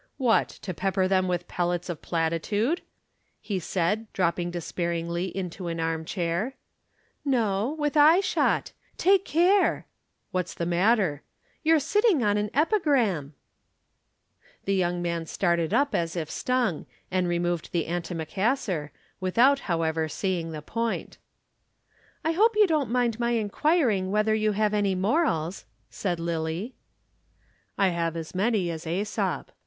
"What! To pepper them with pellets of platitude?" he said, dropping despairingly into an arm chair. "No. With eyeshot. Take care!" "What's the matter?" "You're sitting on an epigram." [Illustration: "Take care! You're sitting on an epigram."] The young man started up as if stung, and removed the antimacassar, without, however, seeing the point. "I hope you don't mind my inquiring whether you have any morals," said Lillie. "I have as many as Æsop.